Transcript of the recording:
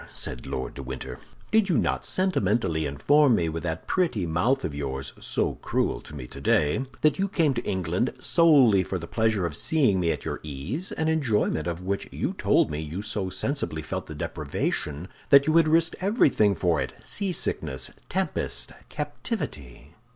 said Lord de Winter. "Did not you sentimentally inform me with that pretty mouth of yours, so cruel to me today, that you came to England solely for the pleasure of seeing me at your ease, an enjoyment of which you told me you so sensibly felt the deprivation that you had risked everything for it—seasickness, tempest, captivity?